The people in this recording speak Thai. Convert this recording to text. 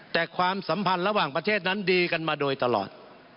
แต่ความสัมพันธ์ระหว่างประเทศนั้นดีกันมาโดยตลอด